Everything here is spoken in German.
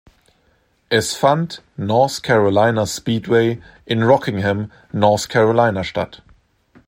Es fand North Carolina Speedway in Rockingham, North Carolina statt.